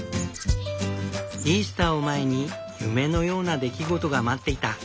イースターを前に夢のような出来事が待っていた。